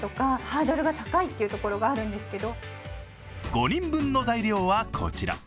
５人分の材料はこちら。